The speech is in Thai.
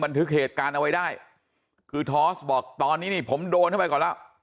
บันทึกเหตุการณ์เอาไว้ได้คือทอสบอกตอนนี้นี่ผมโดนเข้าไปก่อนแล้ว